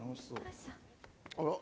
あら。